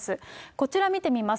こちら見てみます。